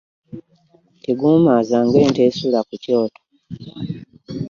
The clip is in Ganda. Kigumaaza ng'ente esula ku Kyoto .